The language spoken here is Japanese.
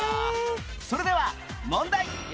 それでは問題